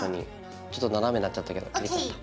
ちょっと斜めになっちゃったけど切れちゃった。